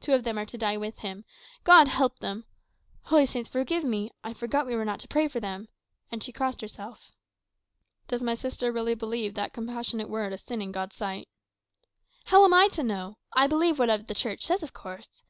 Two of them are to die with him God help them! Holy Saints forgive me; I forgot we were told not to pray for them," and she crossed herself. "Does my sister really believe that compassionate word a sin in God's sight?" "How am I to know? I believe whatever the Church says, of course.